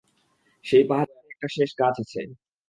সেই পাহাড়ে একটা শেষ গাছ আছে।